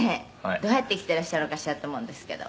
どうやって生きていらっしゃるのかしらって思うんですけど」